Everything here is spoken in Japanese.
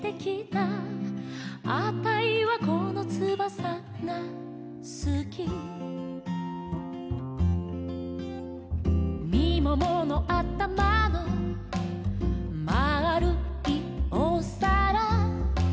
「あたいはこのつばさがすき」「みもものあたまのまあるいおさら」